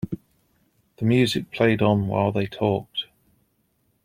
The music played on while they talked.